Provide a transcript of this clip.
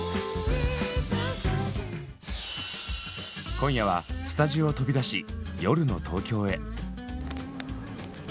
今夜はスタジオを飛び出し夜の東京へ。